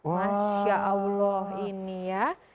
masya allah ini ya